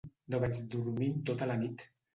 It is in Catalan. No vaig dormir en tota la nit.